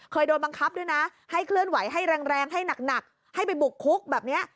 เคยโดนบังคับด้วยนะให้เคลื่อนไหวให้แรงให้หนักให้ไปบุกคุกแบบนี้